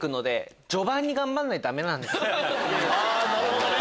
なるほどね